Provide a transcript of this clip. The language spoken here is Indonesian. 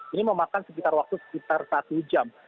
ini memakan sekitar waktu sekitar satu jam